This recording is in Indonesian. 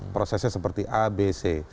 prosesnya seperti a b c